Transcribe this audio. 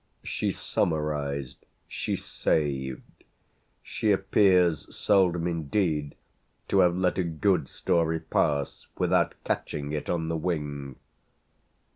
She summarised, she saved; she appears seldom indeed to have let a good story pass without catching it on the wing.